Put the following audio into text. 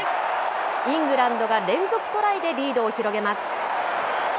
イングランドが連続トライでリードを広げます。